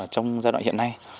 trong giai đoạn hiện nay